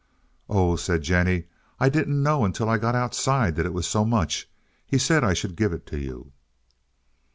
"Oh," said Jennie, "I didn't know until I got outside that it was so much. He said I should give it to you."